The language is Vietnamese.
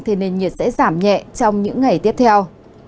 thì nền nhiệt sẽ giảm nhẹ trong những ngày tiếp theo